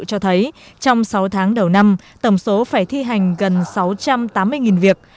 cho thấy trong sáu tháng đầu năm tổng số phải thi hành gần sáu trăm tám mươi việc